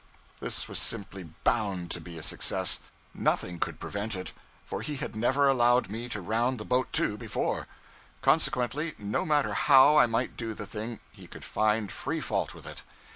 This was simply _bound _to be a success; nothing could prevent it; for he had never allowed me to round the boat to before; consequently, no matter how I might do the thing, he could find free fault with it.